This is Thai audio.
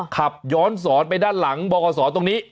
ขับย้อนสอนไปด้านหลังบอกว่าสอนตรงนี้